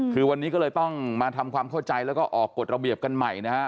คือวันนี้ก็เลยต้องมาทำความเข้าใจแล้วก็ออกกฎระเบียบกันใหม่นะฮะ